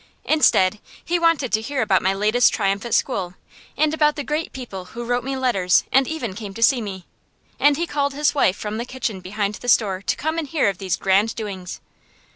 Instead, he wanted to hear about my latest triumph at school, and about the great people who wrote me letters and even came to see me; and he called his wife from the kitchen behind the store to come and hear of these grand doings.